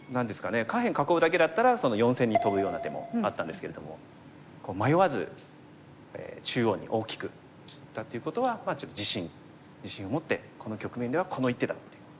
下辺囲うだけだったら４線にトブような手もあったんですけれども迷わず中央に大きくいったっていうことはちょっと自信を持って「この局面ではこの一手だ」って。